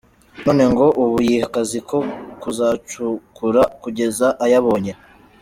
None ngo ubu yihaye akazi ko kuzacukura kugeza ayabonye.